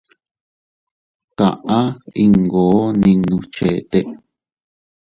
Kaʼa iyngoo ninnus cheʼete.